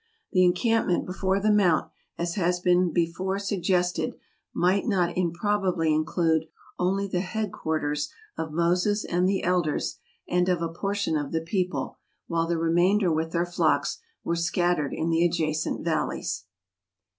The encampment before the mount, as has been before suggested, might not improbably include only the head quarters of Moses and the Elders, and MOUNT SINAI. 225 of a portion of the people, while the remainder, with their flocks, were scattered in the adjacent valleys.